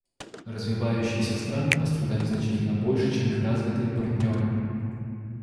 Развивающиеся страны пострадали значительно больше, чем их развитые партнеры.